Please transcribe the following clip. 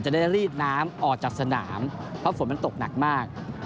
ได้รีดน้ำออกจากสนามเพราะฝนมันตกหนักมาก